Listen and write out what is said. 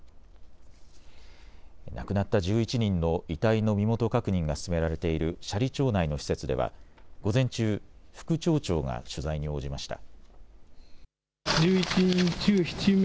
亡くなった１１人の遺体の身元確認が進められている斜里町内の施設では午前中、副町長が取材に応じました。